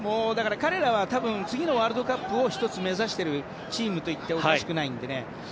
彼らは、多分次のワールドカップを１つ、目指しているチームと言っておかしくないのでね。